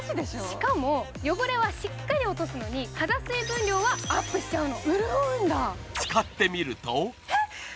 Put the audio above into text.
しかも、汚れはしっかり落とすのに肌水分量はアップするの。